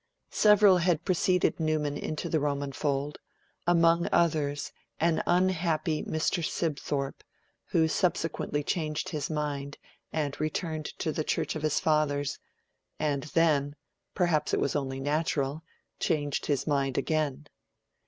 Several had preceded Newman into the Roman fold; among others an unhappy Mr. Sibthorpe, who subsequently changed his mind, and returned to the Church of his fathers, and then perhaps it was only natural changed his mind again.